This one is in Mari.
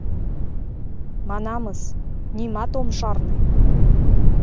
Манамыс, нимат ом шарне.